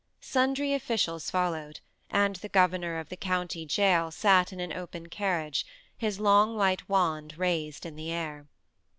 Sundry officials followed, and the governor of the county gaol sat in an open carriage, his long white wand raised in the air.